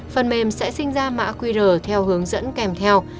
phần mềm sẽ sinh ra mã qr theo hướng dẫn kèm theo